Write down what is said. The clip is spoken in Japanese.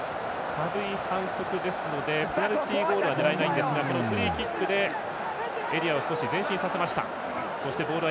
軽い反則ですのでペナルティゴールは狙えないんですがフリーキックでエリアを少し前進させました。